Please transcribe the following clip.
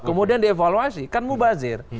kemudian dievaluasi kan mubazir